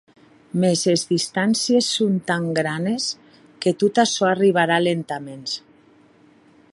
Mès es distàncies son tan granes que tot açò arribarà lentaments.